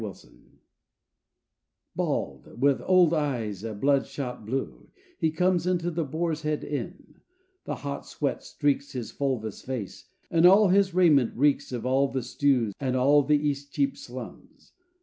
OLD SIR JOHN Bald, with old eyes a blood shot blue, he comes Into the Boar's Head Inn: the hot sweat streaks His fulvous face, and all his raiment reeks Of all the stews and all the Eastcheap slums.